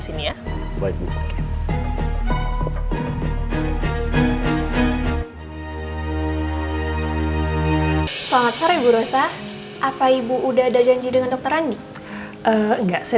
sini ya selamat sore bu rosa apa ibu udah ada janji dengan dokter andi enggak saya